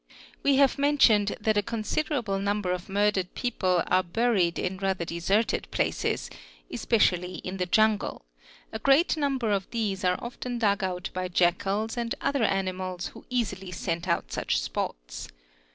We lave mentioned that a considerable number of murdered people are : yuried in rather deserted places, especially in the jungle ; a great number f these are often dug out by jackals and other animals who easily scent ¢® such spots